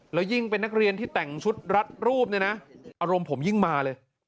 แล้วยิ่งเป็นนักเรียนที่แต่งชุดรัดรูปเนี่ยนะอารมณ์ผมยิ่งมาเลย